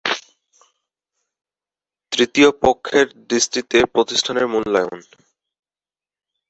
ঘ. তৃতীয় পক্ষের দৃষ্টিতে প্রতিষ্ঠানের মূল্যায়ন